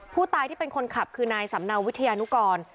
ผู้ตายที่เป็นคนขับคือนายสำเนาวิทยานุกร